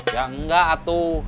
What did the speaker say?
ya nggak atu